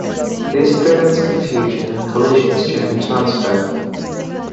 This prevents confusion and collisions during transfer.